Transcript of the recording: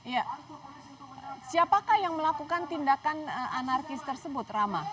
ya siapakah yang melakukan tindakan anarkis tersebut rama